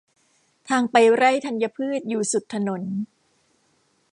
ทางไปไร่ธัญพืชอยู่สุดถนน